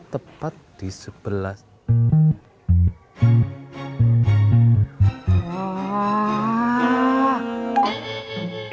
tepat di sebelah